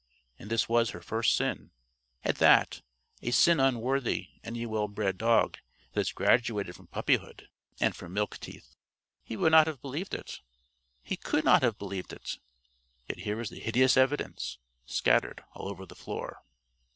And this was her first sin at that, a sin unworthy any well bred dog that has graduated from puppyhood and from milk teeth. He would not have believed it. He could not have believed it. Yet here was the hideous evidence, scattered all over the floor.